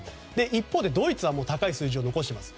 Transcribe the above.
一方でドイツは高い数字を残しています。